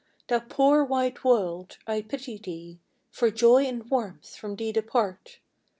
Thou poor white world, I pity thee, For joy and warmth from thee depart.